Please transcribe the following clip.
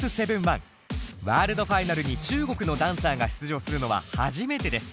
ワールドファイナルに中国のダンサーが出場するのは初めてです。